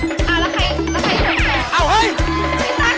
อ่าแล้วใครแล้วใครเจอแก